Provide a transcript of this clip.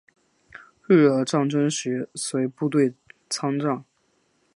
日俄战争时随部队参战。